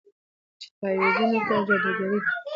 چې تعويذونه کوي او جادوګرې دي.